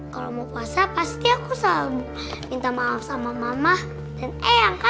kalau mau puasa pasti aku minta maaf sama mama dan eyang kan